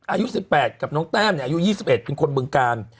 อายุสิบแปดกับน้องแต้มเนี้ยอายุยี่สิบเอ็ดเป็นคนบริการ